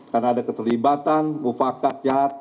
karena ada keterlibatan bufakat jahat